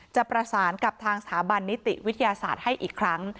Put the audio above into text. จะประสานกับทางสถาบันนิติวิทยาศาสตร์ให้อีกครั้ง